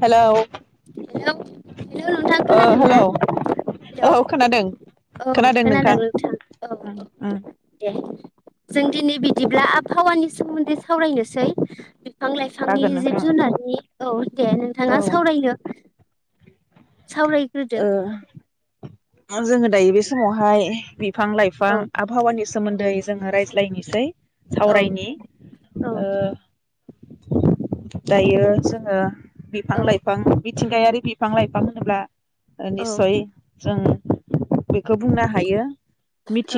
Hello hello hello नोंथां खोनादोंना hello hello औ खोनादों औ खोनादों नोंथां औ ओम ओम दे जों दिनै बिदिब्ला आबहावानि सोमोन्दै सावरायनोसै। फां लाइफांनि जागोन नोंथां जिब जुनारनि औ द औ नाङा सावरायन सावरायग्रोदो ओ जोङो दायो बे समावहा बिफां लाइफां औ आबहावानि- सोमोन्दै जोङो रायज्लायनोसै। औ सावरायनि औ ओ दायो जोङ बिफां औ लाइफा मिथिंगायारि बिफां-लाइफां होनोब्ला ओ औ निस्सय जों बेखौ बुंनो हायो।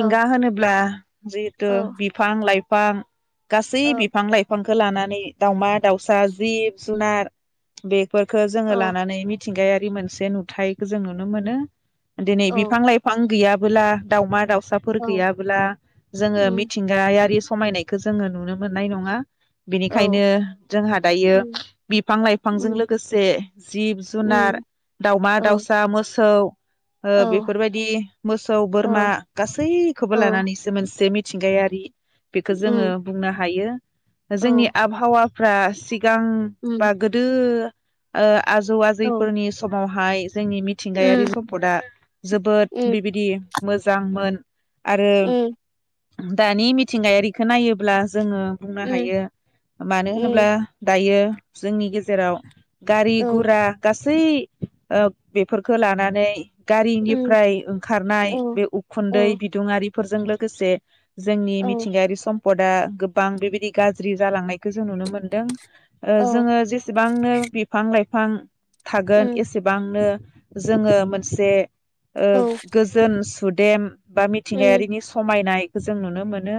औ होनोब्ला जिहेतु बिफां-लाइफ फां गासै औ बिफां-लाइफां खौ लानानै दाउमा-दाउसा जि जुनार बे फोरखो जोङो औ लानानै थिंगायारि मोनसे नुथायाइखौ जों नुनो मोनो। दिनै बिफां-लाइफां गैयाब बोला दाउमा-दाउ साफोर औ गैयाब्ला जोङो उम मिथिंगायारि समायनायखौ जोङो नुनो मोननाय नङा। औ बेनिखायनो जोंहा दायो उम बिफां लाइफांजों उम लोगोसे जिब जुनार उम औ दाउमा-दाउसा मो सौ ओ औ बेफोरबायदि मोसौ बोरमा औ गासैखौबो औ लानानैसो मोनसे मिथिंगायारि बेखौ जोङो उम बुंनो हायो औ जोंनि उम औ आबहावा फ्रासिक सिगां उम बा गोदो ओ आजौ फोरनि समा हाय जोंनि मिथिंगायारि उम सम्पदा जोबोद बेबायदि मोजांमोन आरो उम उम दानि मिथिंगायारिखौ नायोब्ला जोङो बुंनो हायो मानो उम होनोब्ला दायो जोंनि गेजेराव गारि औ गुरा गासै ओ बेफोरखौ लानानै उम गारिनिफ्राय ओंखारनाय औ बे उखुन्दै औ बिदुङारि फोरजों लोगोसे जोंनि औ मिथिंगायारि सम पदा गोबां बेबायदि गाज्रि जालांनायखौ जों नुनो मोन्दों ओ औ जोङो जेसेबांनो बिफां लाइ फां थागोन उम एसेबांनो जोङो मोनसे ओ औ गोजोन सुदेम बा उम मिथिंगायारिनि समायनाय जों नुनो मोनो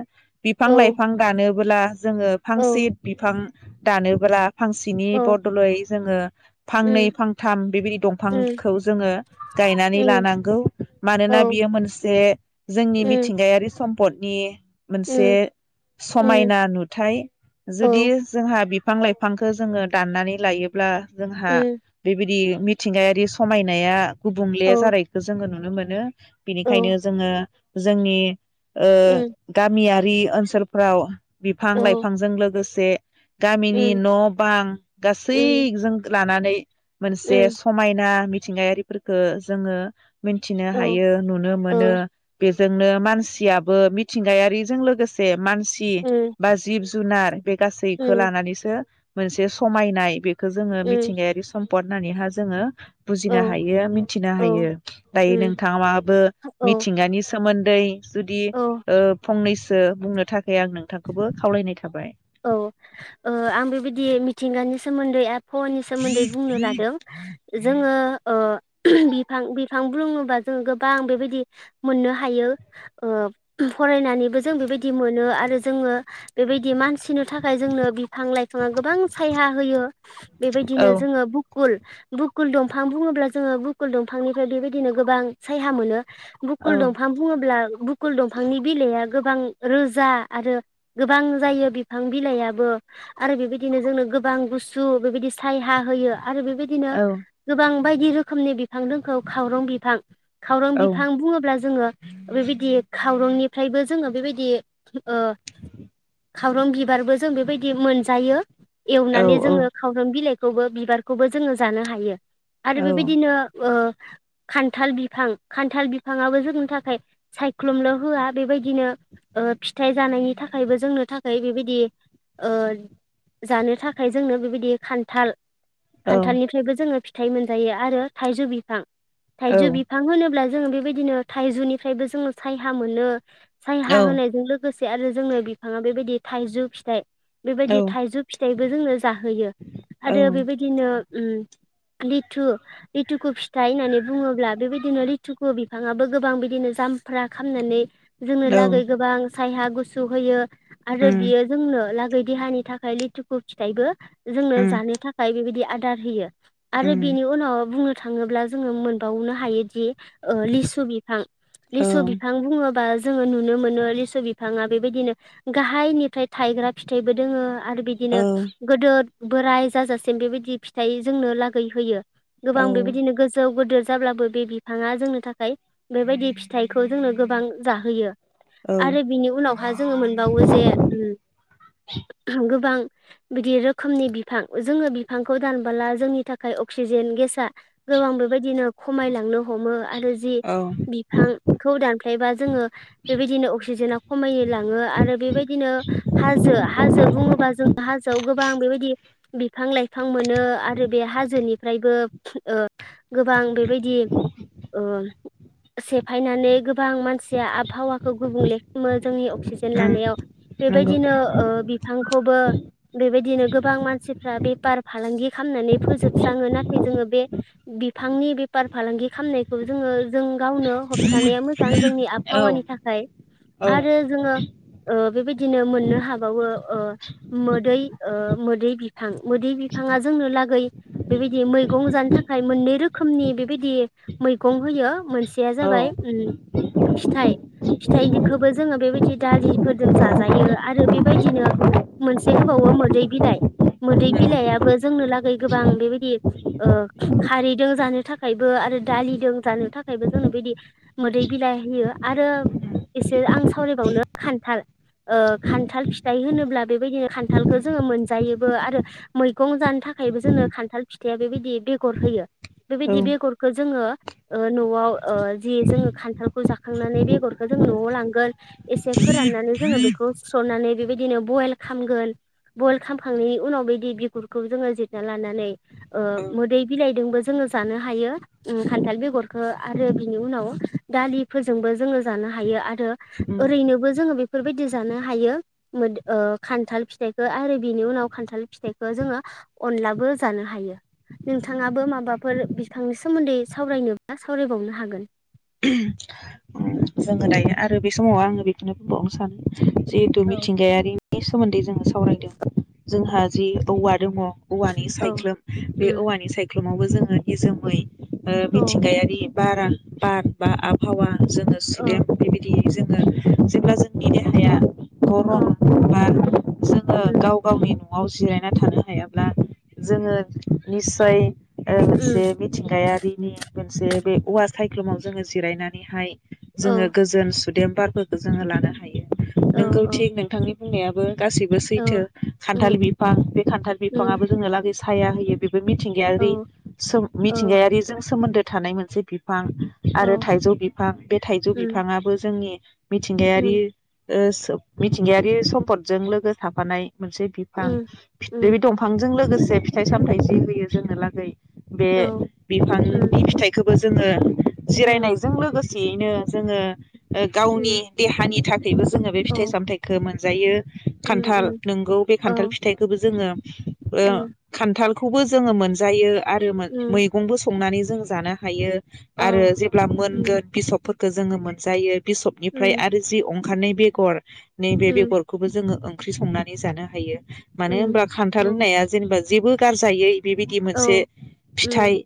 बिफां औ लाइफां गानो ब्ला जोङो औ फांसे बिफां दानोब्ला फांसेनि औ बद'लै जोङो फांनै उम फांथाम बेबायदि उम दंफांखौ जोङो गायनानै उम लानांगौ औ मानोना बियो मोनसे जोंनि उम मिथिंगायारि सम पदनि मोनसे उम उम समायना नुथाय जुदि औ जोंहा बि बिफां लाइफांखौ जोङो दाननानै लायोब्ला जोंहा उम बेबायदि मिथिंगायारि समायनाया गुबुंले औ जानायखौ जोङो नुनो नुनो मोनो बिनिखायनो जोङो जोंनि ओ उम गामिया रि ओनसोलफ्राव बिफां औ लाइफांजों लोगोसे से गामिनि उम न' बां उम गासैजों लानानै मोनसे उम समायना मिथिंगायारिफोरखो जोङो मिथिनो औ उम औ उम औ हायो नुनो मोनो बे जोंनो मानसियाबो मिथिंगायारिजों लोगोसे मान सि बा जिब जुनार बे गासैखौ लानानैसो मोनसे समायनाय बे खो जोङो मिथिंगायारि सम्फद नानैहा जोङो बुजिनो हायो मिथिनो हायो दायो नोंथाङाबो औ मिथिंगानि सोमोन्दै जुदि ओ फंनैसो सो बुंनो थाखाय आं नोंथांखौबो खावलायनाय थाबाय औ ओ आं बेबायदि मिथिंगानि सोमोन्दै आ आबहावानि सोमोन्दै बुंनो लादों। जोङो बिफां बिफां बुङोबा जों गोबां बेबायदि मोननो हायो, फरायनानैबो जों बेबायदि मोनो आरो जोङो बेबायदि मानसि। सिनो थाखाय जोंनो बिफां लाइफाङा गोबां सायहा होयो बेबायदिनो औ जोङो बुकुल बुकुल दंफां बुङोब्ला जोङो बुकुल दंफांनिफ्राय बेबायदिनो गोबां सायहा मोनो। औ बुकुल दंफां बुङोब्ला बुकुल दंफांनि बिलाइआ। गोबां रोजा आरो गोबां जायो। बिफां बिलायाबो आरो बेबायदिनो जोंनो गोबां गुसु बेबायदि सायहा होयो। आरो बेबायदिनो औ गोबां। बायदि रोखोमनि बिफां दंखौ खावरं बिफां। खावरां औ बिफां बुङोब्ला जोङो बेबायदि। खावरंनिफ्रायबो जोङो बेबायदि खावरं बि बिबारबो जों बेबायदि मोनजायो। एवनानै औ जोङो खावरं बिलाइ। खौबो बिबारखौबो जोङो जानो हायो। आरो औ बेबायदिनो। खान्थाल बिफां खान्थाल बिफांआबो जोंनि थाखाय सायख्लुमल' होआ बेबायदिनो फिथाइ जानायनि थाखायबो जोंनो थाखाय बेबायदि। यदि जानो थाखाय जोंनो बेबायदि खान्थाल। खान्थालनिफ्रायबो जोङो फ फिथाइ मोनजायो आरो थाइजौ बिफां। औ थाइजौ बिफां होनोब्ला। जोो बेबायदिनो थाइजौनिफ्रायबो जोङो सायायाा मोनो। सायहाा होनायजों लोगोसे आरो जोंनो बिफाङा बेबायदि। थाइजौ फिथाइ औ बेबायदि थाइजौ फिथाइ बेजोंनो जाहोयो औ आरो बेबायदिनो। लिथु लिथुकु फिथाइ होननानै बुङोब्ला बेबायदिनो लिथुखौ बिबाङाव गोबां बिदिनो जामफ्रा खामनानै। जोंनो लागै गोबां सायहा गुसु होयो। आरो उम बियो जोंनो ला देहानि थाखाय लिथुखु फिथाइबो। जोंनो उम जानो थाखाय बेबायदि अर्डार होयो। आरो उम बिनि उनाव बुंनो। थाङोब्ला जोंङो मोनबावनो हायोदि लिसु बिफां औ लिसु बिफां बुङोबा जोंङो नुनो मोनो लिसु बिफाङा बेबायदिनो गाहायनिफ्राय थायग्रा फिथाइबो दोंङो आरो औ बिदिनो गोदो बोराय जाजासिम बेबायदि फिथाइ जोंनो लागै होयो औ गोबां बेबायदिनो गोजौ गोदोर जाब्लाबो बे बिफाङा जोंनो थाखाय बेबायदि फिथाइखौ जोंनो गोबां जाहोयो औ आरो बिनि उनावहा जोंङो मोन बो जे गोबां बिदि रोखोमनि बिफां जोङो बिफांखौ दानबोला जोंनि थाखाय अक्सिजेन गेसा गोबां बेबायदिनो खमायलांनो हमो आरो जि औ बिफांखौ दानफ्लायबा जोंङो बेबायदिनो अक्सिजेनाना खमायनो लाङो आरो बे बायदिनो हाथों हाजो बुंङोबा जों गोबां गोबां बेबायदि बिफां लाइफां मोनो आरो बे हाजोनिफ्रायबो गोबां बेबायदि ओ सेफायनानै गोबां मानसिया आबहावा गुबुंले जोंनि असिज उम लानायाव नंगौ बेबायदिनो बिफांखौबो बेबायदिनो गोबां मानसि रा बेफार फालांगि खालामनानै फोजोबस्राङो नाथाय जोङो बे बिफांनि बेफार फालांगि खालामनायखौ जोंङो जों गावनो होबथानाया मोजां जोंनि औ आबहावानि थाखाय औ आरो जोंङो ओ बेबायदिनो मोननो हाबावो ओ मोदै ओ मोदै बिफां मोदै बिफाङा जोंनो लागै बेबायदि मैगं जानो थाखाय मोननै रोखोमनि बेबायदि मैगं होयो मोनसेया औ जाबाय उम फिथाइ फिथाइनिखौबो जोंङो बेबायदि दालि फोरजों जाजायो आरो बेबायदिनो मोनसे होबावो मोदै बिलाइ मोदै बिलाइयाबो जोंनो लागै गोबां बेबायदि ओ खारैजों जानो थाखायबो आरो दालिजों जानो थाखायबो जोंनो बेदि मोदै बिलाइ होयो आरो एसे आं सावरायबावनो खान्थाल ओ खान्थाल फिथाइ होनोब्ला बेबायदिनो खान्थालखौ जोङो मोनजायोबो आरो मैगं जानो थाखायबो जोङो खान्थाल फिथाइया बेबायदि बेगर होयो बेबायदि बेगरखौ जोङो ओ न'आव ओ जि जोङो खान्थालखौ जाखांनानै बेगरखौ जोङो न'आव लांगोन एसे फोराननानै जोङो बेखौ सुस्रनानै बेबायदिनो बइल खालामगोन बयल खालामखांनायनि उनाव बिदि बिगुरखौ जोङो जिरना लानानै ओ मोदै बिलाइदोंबो जोङो जानो हायो उम खान्थाल बेगरखो आरो बिनि उनाव दालिफोरजोंबो जोङो जानो हायो आरो उम ओरैनोबो जोंङो बेफोरबायदि जानो हायो ओ खान्थाल फिथाइखौ आरो बिनि उनाव खान्थाल फिथाइखौ जोंङो अनलाबो जानो हायो नोंथाङाबो माबाफोर बिफांनि सोमोन्दै सावरायनोब्ला सावरायबावनो हागोन जोंङो दायो आरो बे समाव आङो बेखौनो बुंबावनो सानो जिहेथु औ मिथिंगायारि नि सोमोन्दै जोंङो सावरायदों जोंहा जि औवा दङ औवानि सायख्लुम बे उम औवानि सायख्लुम समावबो जोंङो निजोमै ओ औ मिथिंगायारि बारा बार बा आबहावा जोंङो औ सुदेम बेबायदि जोंङो जेब्ला जोंनि देहाया गरम औ बा जोंङो उम गाव गावनि न न'आव जिरायना थानो हायाब्ला जोंङो निसय ओ उम मोनसे मिथिंगायारिनि मोनसे बे औवा सायख्लुमाव जोंङो जिरायनानैहाय औ जोंङो गोजोन सुदेमबारफोरखौ जोङो लानो हायो। औ नंगौ औ थिग नोंथांनि होननायाबो। गासिबो औ सैथो उम खान्थाल बिफां बे खान्थाल उम बिफाङाबो जोङो लागै साया होयो बे औ मिथिंगायारि औ मिथिंगायारिजों सोमोन्दो थानाय मोनसे बिफ बिफां औ आरो थाइजौ बिफां बे थाइजौ उम बिफाङाबो जोंनि मिथिंगायारि उम ओ सोब मिथिंगायारि सम्पदजों लोगो थाफानाय मोनसे बिफां उम बे उम दंफांजों लोग लोगोसे फिथाइ सामथाइ जि होयो जोंनो लागै बे औ बिफांनि उम बि फिथाइ खौबो जोङो उम जिरायनायजों लोगोसे बेनो जोङो ओ गावनि उम देहानि थाखाय थाखायबो जोङो फिथाइ औ सामथाइखौ मोनजायो उम खान्थाल उम नोंगौ बे खान्थाल औ फिथाइखौबो जोङो ओ उम खान्थाल खौबो जोङो मोनजायो। आरो उम मैगंबो संनानै जों जानो हायो औ आरो जेब्ला उम मोनगोन बिस'प फोरखौ जोङो मोनजायो। बिसबनिफ्राय उम आरो जि ओंखारनाय बेगर नैबे उम बेगरखौबो जोङो ओंख्रि ओंख्रि संनानै जानो हायो। मानो होनबा खान्थाल उम होननाया जेनेबा जेबो गारजायै बेबायदि औ मोनसे उम फिथाइ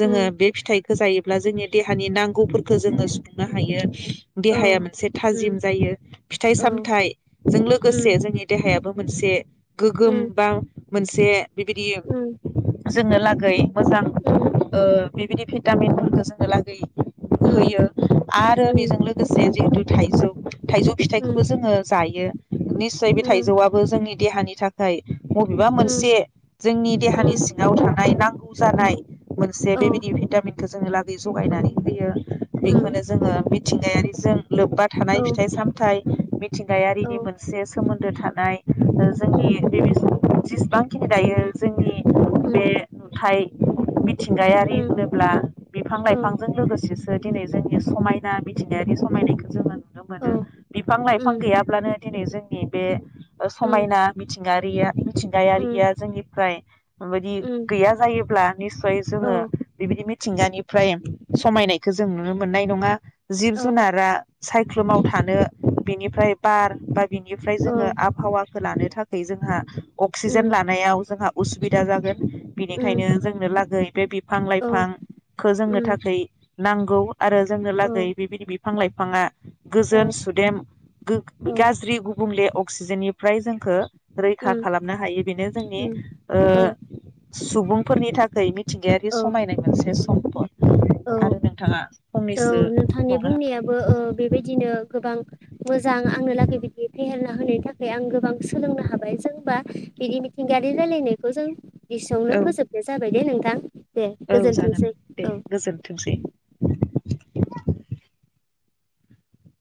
जोङो उम बे फिथाइ होजायोब्ला जोंनि देहानि नांगौफोर खौ जोङो सुफुंनो हायो। औ देहाया मोनसे उम थाजिम जायो फिथाइ औ सामथाइजों लोगोसे उम जोंनि देहायाबो मोनसे गोगोम उम बा मोनसे बेबायदि उम जोङो लागै मोजां उम ओ बेबायदि भिटामिनफोरखौ जोङो लागै उम होयो आरो उम बेजों लोगोसे जिहेतु थाइजौ थाइजौ उम फिथाइखौबो जोङो जायो निसय बे उम थाइजौआबो जोंनि देहानि थाखाय बबेबा उम मोनसे जोंनि देहानि उम सिङाव थानाय नांगौ गौ जानाय मोनसे औ बेबायदि भिटामिन खौ जोङो लागै जगायनानै होयो। उम बेखौनो जोङो मिथिंगायारिजों लोब्बा औ थानाय फिथाइ सामथाइ मिथिंगायारिनि औ मोनसे सोमोन्दो थानाय जोंनि उम गिबि जेसेबांखिनि दायो जोंनि उम बे नुथाय मिथिंगायारि उम होनोब्ला बिफां औ लाइफांजों लोगोसे सो दिनै जोंनि समायना मिथिंगायारि समायनाखौ जोङो नुनो मोनो औ बिफां लाइफां उम गैयाब्लानो दिनै जोंनि बे उम समायना मिथिंगारिया उम मिथिंगायारिया जोंनिफ्राय माबायदि उम गैया जायोब्ला निस्सय औ जोङो बिबायदि मिथिंगानिफ्राय समायनाय खो जों नुनो मोननाय नङा। जिब जुनारा सायख्लुमाव थानो बिनिफ्राय बार बा बिनिफ्राय औ उम औ उम औ औ जोङो आबहावा लानो थाखाय जोंहा अक्सिजेन उम लानायाव जोंहा उसुबिदा जागोन। उम बिनिखायनो जोंनो लागै बेे बि बिफां लाइफांखौ जोंनो थाखै नांगौ। आरो जोंनो लागै बेबायदि बिफां लाइफाङा गोजोन सुदेम गो औ गाज्रि गुबुंले अक्सिजेननिफ्राय जोंखौ रैखा खालामनो हायो बेनो जोंनि ओ सुबुंफोरनि थाखाय मिथिंगायारि औ समायनाय मोनसे सम्पद औ आरो नोंथाङा औ फंनैसो नोंथांनि बुंबावनो बुंनायाबो ओ बेबायदिनो गोबां मोजां आंनो लागै बिदि फेहेरना होनायनि थाखाय आं गोबां सोलोंनो हाबाय जों बा बिदि मिथिंगारि रायलायनायखौ जों एसेआवनो हागोन फोजोबनाय जाबाय दे नों थां दे गोजोनथोंसै औ। थोंसै।